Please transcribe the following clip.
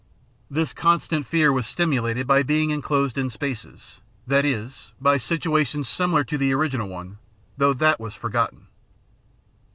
This coustant fear was stimulated by being in closed in spaces, that is, b}*^ situations similar to the original one, though that was for gotten.